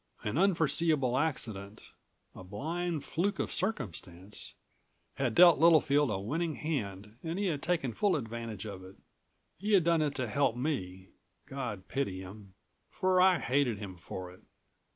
An unforeseeable accident a blind fluke of circumstance had dealt Littlefield a winning hand and he had taken full advantage of it. He had done it to help me, God pity him ... for I hated him for it.